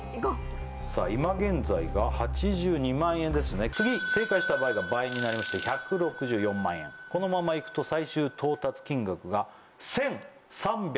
さあ今現在が８２万円ですね次正解した場合が倍になりまして１６４万円このままいくと最終到達金額が１３１２万円